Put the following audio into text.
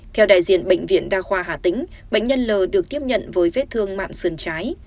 theo đại diện bệnh viện đa khoa hà tĩnh bệnh nhân l được tiếp nhận với vết thương mạng sườn trái